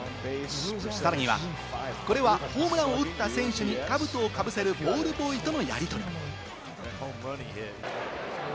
さらには、これはホームランを打った選手に兜をかぶせるボールボーイとのやり取り。